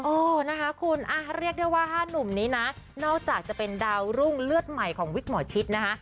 เออนะคะคุณเรียกได้ว่า๕หนุ่มนี้นะนอกจากจะเป็นดาวรุ่งเลือดใหม่ของวิกหมอชิดนะคะ